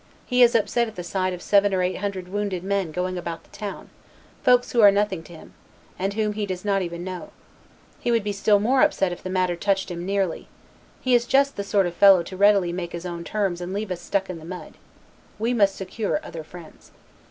He is upset at the sight of seven or eight hundred wounded men going about the town, folks who are nothing to him, and whom he does not even know; he would be still more upset if the matter touched him nearly; he is just the sort of fellow to readily make his own terms and leave us stuck in the mud; we must secure other friends."